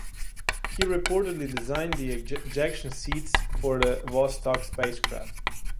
He reportedly designed the ejection seats for the Vostok spacecraft.